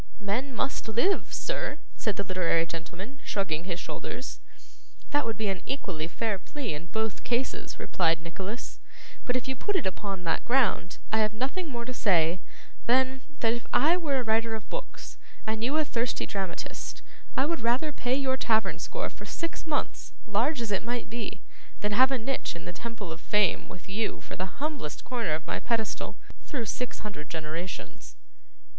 'Men must live, sir,' said the literary gentleman, shrugging his shoulders. 'That would be an equally fair plea in both cases,' replied Nicholas; 'but if you put it upon that ground, I have nothing more to say, than, that if I were a writer of books, and you a thirsty dramatist, I would rather pay your tavern score for six months, large as it might be, than have a niche in the Temple of Fame with you for the humblest corner of my pedestal, through six hundred generations.